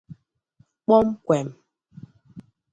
kpọm kwem!